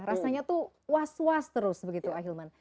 rasanya tuh was was terus begitu ahilman